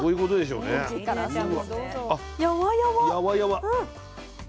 うん。